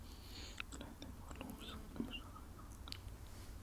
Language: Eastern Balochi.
لهتے مهلوک سکیں شَریں کار کنگ ءَ اَنت